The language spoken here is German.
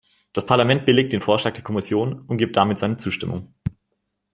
Das Parlament billigt den Vorschlag der Kommission und gibt damit seine Zustimmung.